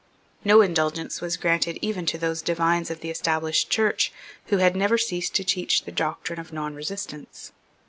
No indulgence was granted even to those divines of the Established Church who had never ceased to teach the doctrine of non resistance.